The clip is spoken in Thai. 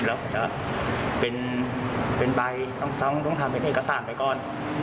แล้วเขาจะเป็นใบต้องทำเป็นเอกสารไปก่อน